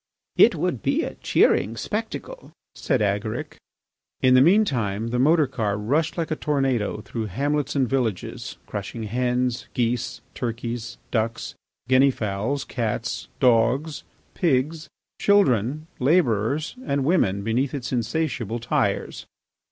"It would be a cheering spectacle," said Agaric. In the mean time the motor car rushed like a tornado through hamlets and villages, crushing hens, geese, turkeys, ducks, guinea fowls, cats, dogs, pigs, children, labourers, and women beneath its insatiable tyres.